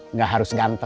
nggak harus ganggu